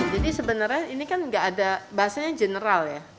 jadi sebenarnya ini kan gak ada bahasanya general ya